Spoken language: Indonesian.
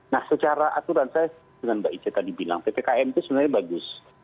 nah secara aturan saya dengan mbak ici tadi bilang ppkm itu sebenarnya bagus